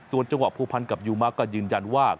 ส่วนจังหวะผัวพันกับยูมะก็ยืนยันว่า